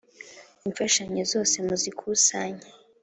Imfashanyo zose muzikusanye.